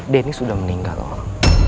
dennis udah meninggal om